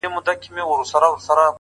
ه ما يې هر وختې په نه خبره سر غوښتی دی~